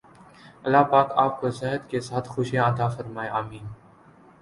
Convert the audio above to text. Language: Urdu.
اللہ پاک آپ کو صحت کے ساتھ خوشیاں عطا فرمائے آمین